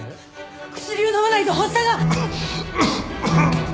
薬を飲まないと発作が！